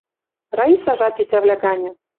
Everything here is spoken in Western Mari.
Раисажат тетявлӓ ганьы.